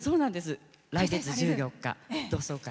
来月１４日、同窓会。